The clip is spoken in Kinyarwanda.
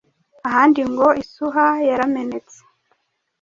ahandi ngo isuha yaramenetse